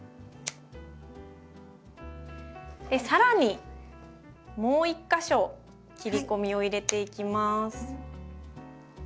更にもう一か所切り込みを入れていきます。